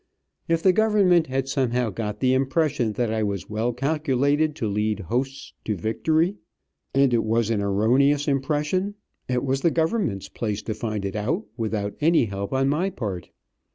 If the government had somehow got the impression that I was well calculated to lead hosts to victory, and it was an erroneous impression, it was the governments' place to find it out without any help on my part.